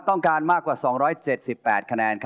ต้องการมากกว่า๒๗๘คะแนน